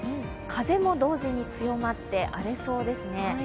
風も同時に強まって荒れそうですね。